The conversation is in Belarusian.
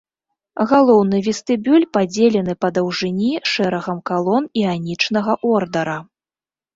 Галоўны вестыбюль падзелены па даўжыні шэрагам калон іанічнага ордара.